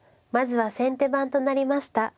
まずは先手番となりました